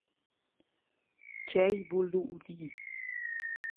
Tgei vul lu udir?